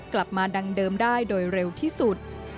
กลับมาดังเดิมได้โดยเร็วที่สุด